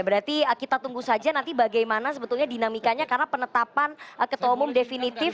berarti kita tunggu saja nanti bagaimana sebetulnya dinamikanya karena penetapan ketua umum definitif